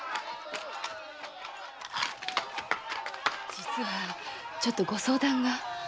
実はちょっとご相談が。